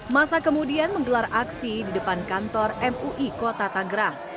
masa kemudian menggelar aksi di depan kantor mui kota tanggerang